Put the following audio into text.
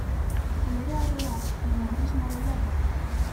Kolore arrea edo gris-marroia du.